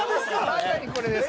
まさにこれです。